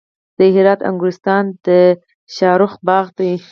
د هرات انګورستان د شاهرخ باغ دی